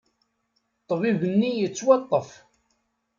Ṭṭbib-nni yettwaṭṭef.